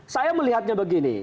saya melihatnya begini